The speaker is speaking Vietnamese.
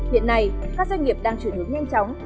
hiện nay các doanh nghiệp đang chuyển hướng nhanh chóng